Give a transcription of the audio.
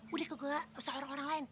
sudah enggak seorang orang lain